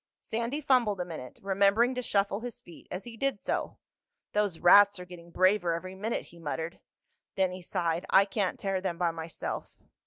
Sandy fumbled a minute, remembering to shuffle his feet as he did so. "Those rats are getting braver every minute," he muttered. Then he sighed. "I can't tear them by myself."